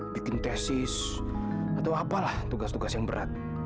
bikin tesis atau apalah tugas tugas yang berat